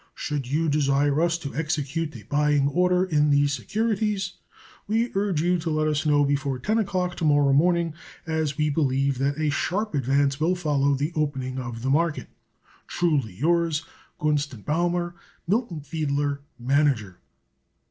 Should you desire us to execute a buying order in these securities, we urge you to let us know before ten o'clock to morrow morning, as we believe that a sharp advance will follow the opening of the market. Truly yours, GUNST & BAUMER, Milton Fiedler, Mgr.